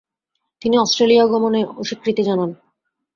তিনি অস্ট্রেলিয়া গমনে অস্বীকৃতি জানান।